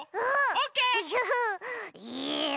オッケー！